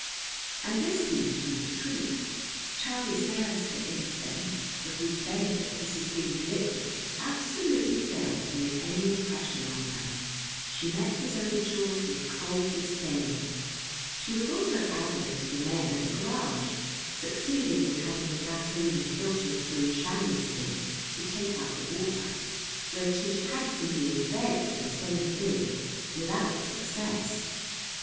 And this seemed to be the truth. Charlie Sands, for instance, for whose benefit this is being written, absolutely failed to make any impression on her. She met his overtures with cold disdain. She was also adamant to the men at the garage, succeeding in having the gasoline filtered through a chamois skin to take out the water, where Tish had for years begged for the same thing without success.